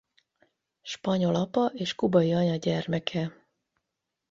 Spanyol apa és kubai anya gyermeke.